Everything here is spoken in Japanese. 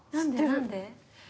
何で？